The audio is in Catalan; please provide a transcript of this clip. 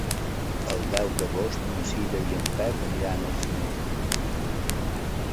El deu d'agost na Cira i en Pep aniran al cinema.